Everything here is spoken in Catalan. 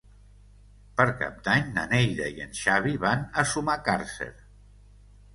Per Cap d'Any na Neida i en Xavi van a Sumacàrcer.